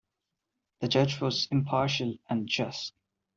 The judge was impartial and just.